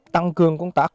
tăng cường công tác